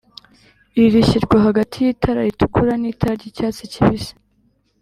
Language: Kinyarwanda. iri rishyirwa hagati y'itara ritukura n'itara ry'icyatsi kibisi.